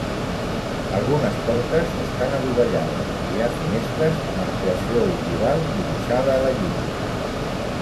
Algunes portes estan adovellades i hi ha finestres amb arcuació ogival dibuixada a la llinda.